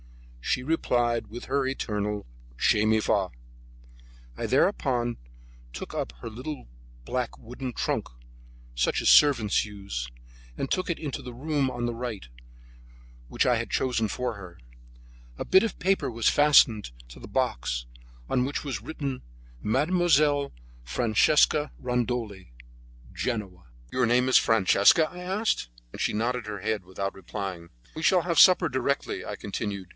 She replied with her eternal "Che mi fa!" I thereupon took up her little black wooden trunk, such as servants use, and took it into the room on the right, which I had chosen for her. A bit of paper was fastened to the box, on which was written, Mademoiselle Francesca Rondoli, Genoa. "Your name is Francesca?" I asked, and she nodded her head, without replying. "We shall have supper directly," I continued.